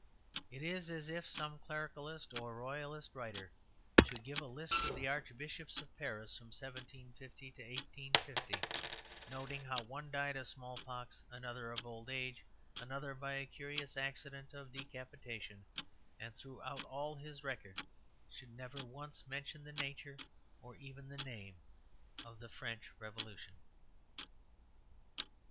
It is as if some Clericalist or Royalist writer should give a list of the Archbishops of Paris from 1750 to 1850, noting how one died of small pox, another of old age, another by a curious accident of decapitation, and throughout all his record should never once mention the nature, or even the name, of the French Revolution.